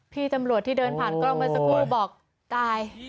พี่คำหลวดที่เดินผ่านกล้องเบ้อสุโก้บอกตาย